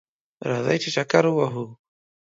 راځئ چه چکر ووهو